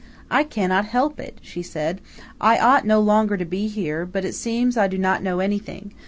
"I cannot help it," she said. "I ought no longer to be here, but it seems I do not know anything.